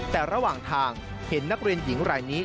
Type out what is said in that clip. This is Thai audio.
แต่ระหว่างทางเห็นนักเรียนหญิงรายนี้